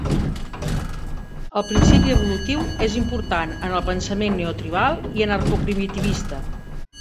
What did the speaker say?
El principi evolutiu és important en el pensament neotribal i anarcoprimitivista.